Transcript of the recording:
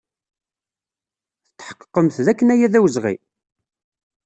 Tetḥeqqemt dakken aya d awezɣi?